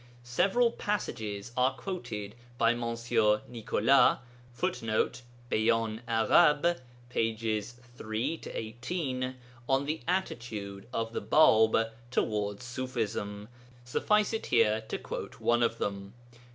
Several passages are quoted by Mons. Nicolas [Footnote: Beyan arabe, pp. 3 18.] on the attitude of the Bāb towards Ṣufism; suffice it here to quote one of them.